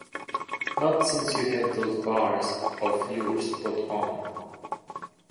Not since you had those bars of yours put on.